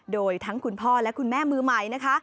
โดยทั้งคุณพ่อและคุณแม่มือใหม่นะคะ